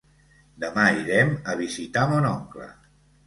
Demà irem a visitar mon oncle.